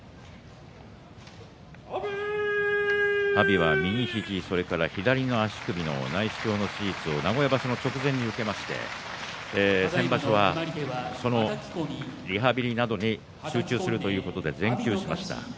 阿炎は右肘、それから左の足首の内視鏡の手術を名古屋場所の直前に受けまして先場所はそのリハビリなどに集中するということで全休しました。